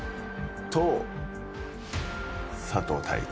佐藤大樹。